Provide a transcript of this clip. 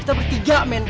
kita bertiga men